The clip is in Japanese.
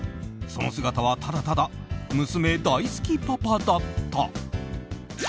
その姿はただただ娘大好きパパだった。